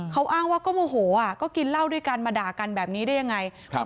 เขาอ้างว่าก็โมโหอ่ะก็กินเหล้าด้วยกันมาด่ากันแบบนี้ได้ยังไงครับ